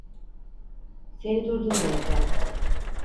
Seni durdurmayacağım.